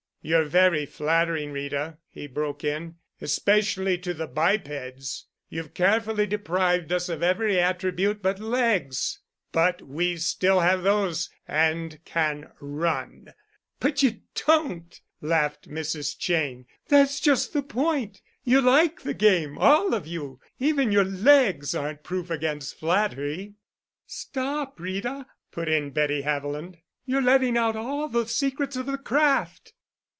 "You're very flattering, Rita," he broke in, "especially to the bipeds. You've carefully deprived us of every attribute but legs. But we still have those—and can run." "But you don't," laughed Mrs. Cheyne. "That's just the point. You like the game—all of you. Even your legs aren't proof against flattery." "Stop, Rita," put in Betty Haviland. "You're letting out all the secrets of the craft."